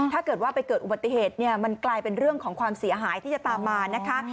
ถ้าเกิดว่าไปเกิดอุบัติเหตุเนี่ยมันกลายเป็นเรื่องของความเสียหายที่จะตามมานะคะ